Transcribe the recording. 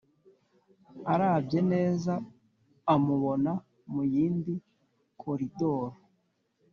arabye neza amubona muyindi koridoro